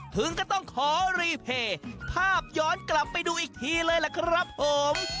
ถึงก็ต้องขอรีเพย์ภาพย้อนกลับไปดูอีกทีเลยล่ะครับผม